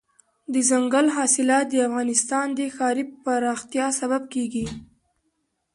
دځنګل حاصلات د افغانستان د ښاري پراختیا سبب کېږي.